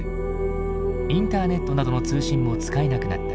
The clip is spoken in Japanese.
インターネットなどの通信も使えなくなった。